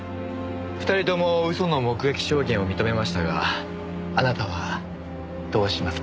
２人とも嘘の目撃証言を認めましたがあなたはどうしますか？